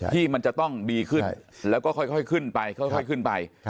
ที่มันจะต้องดีขึ้นแล้วก็ค่อยขึ้นไป